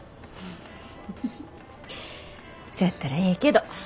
フフフフそやったらええけど。